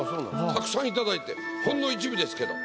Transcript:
たくさん頂いてほんの一部ですけど。